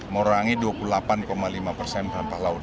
mengurangi dua puluh delapan lima persen sampah laut